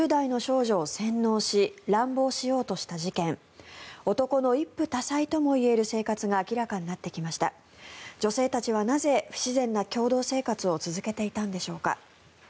女性たちはなぜ不自然な共同生活を続けていたんでしょうか。